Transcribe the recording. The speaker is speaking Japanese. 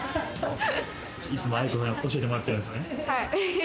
いつも愛子さんに教えてもらってるんですね。